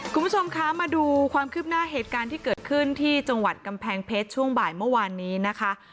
คุณผู้ชมคะมาดูความคืบหน้าเหตุการณ์ที่เกิดขึ้นที่จังหวัดกำแพงเพชรช่วงบ่ายเมื่อวานนี้นะคะ